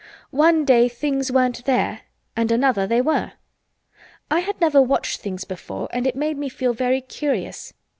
One day things weren't there and another they were. I had never watched things before and it made me feel very curious.